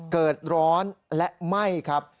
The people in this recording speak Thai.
เกิดร้อนและไหม้ครับ